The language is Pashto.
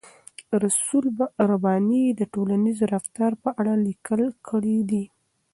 رسول رباني د ټولنیز رفتار په اړه لیکل کړي دي.